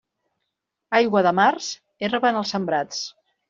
Aigua de març, herba en els sembrats.